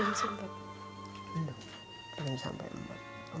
tapi belum sempet